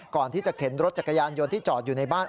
ก่อนที่จะเข็นรถจักรยานยนต์ที่จอดอยู่ในบ้าน